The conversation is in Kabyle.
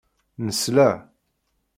Nesla.